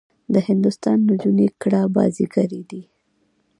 د هندوستان نجونې کړه بازيګرې دي.